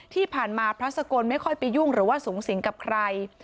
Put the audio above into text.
ที่ผ่านมาพระสกลไม่ค่อยไปยุ่งหรือว่าสูงสิงกับใคร